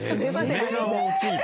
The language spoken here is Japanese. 爪が大きい。